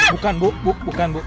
bukan bu bukan bu